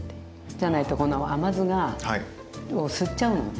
じゃないとこの甘酢を吸っちゃうのね